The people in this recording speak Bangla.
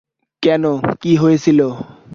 কেন, কি হয়েছিল?